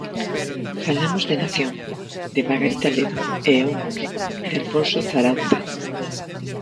Falamos de Nación, de Margarita Ledo, e Ons, de Alfonso Zarauza.